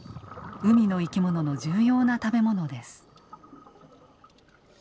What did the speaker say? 海の生き物の重要な食べ物です。